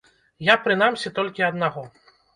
Я, прынамсі, толькі аднаго.